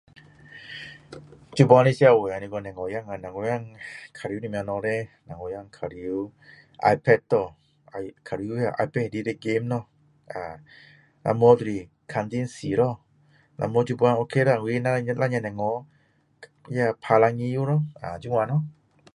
现在的社会的小孩子小孩子玩什么东西叻小孩子玩 ipad 咯玩 ipad 里面的 game 咯不然就是看电视咯不然现在两个打篮球咯这样咯